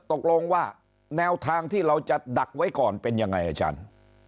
ตกลงว่าแนวทางที่เราจะดักไว้ก่อนเป็นยังไงอาจารย์